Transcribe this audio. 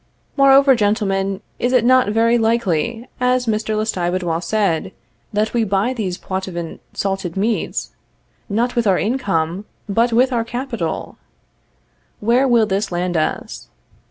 Moreover, gentlemen, is it not very likely, as Mr. Lestiboudois said, that we buy these Poitevin salted meats, not with our income, but our capital? Where will this land us?